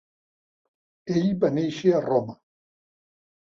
Ell va néixer a Roma.